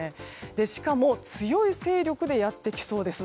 しかも強い勢力でやってきそうです。